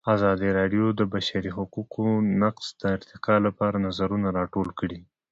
ازادي راډیو د د بشري حقونو نقض د ارتقا لپاره نظرونه راټول کړي.